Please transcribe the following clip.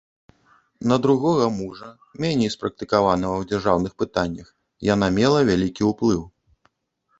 На другога мужа, меней спрактыкаванага ў дзяржаўных пытаннях, яна мела вялікі ўплыў.